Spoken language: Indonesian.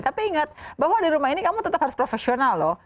tapi ingat bahwa di rumah ini kamu tetap harus profesional loh